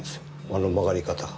あの曲がり方が。